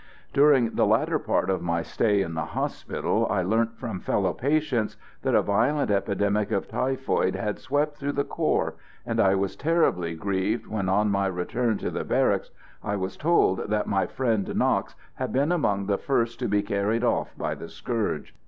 During the latter part of my stay in the hospital I learnt from fellow patients that a violent epidemic of typhoid had swept through the corps; and I was terribly grieved when, on my return to the barracks, I was told that my friend Knox had been among the first to be carried off by the scourge.